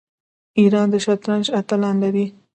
ایران د شطرنج اتلان لري.